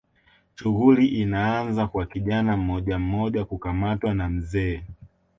Shughuli inaanza kwa kijana mmojammoja kukamatwa na mzee